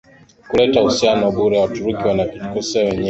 kuleta uhusiano bure Waturuki wanajikosoa wenyewe na wana